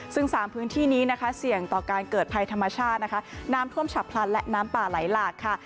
ซึ่งสามพื้นที่นี้นะคะเสี่ยงต่อการเกิดภัยธรรมชาตินะคะน้ำท่วมฉับพลันและน้ำป่าไหลหลากค่ะ